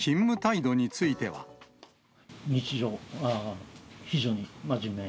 日常、非常に真面目。